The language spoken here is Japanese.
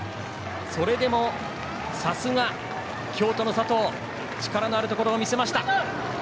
それでも、さすが京都の佐藤力のあるところを見せました。